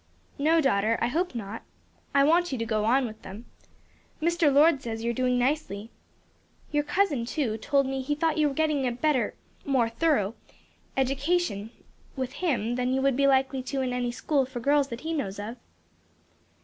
"No, daughter, I hope not. I want you to go on with them; Mr. Lord says you are doing so nicely. Your cousin, too, told me he thought you were getting a better more thorough education with him, than you would be likely to in any school for girls that he knows of."